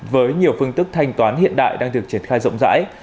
với nhiều phương thức thanh toán hiện đại đang được triển khai rộng rãi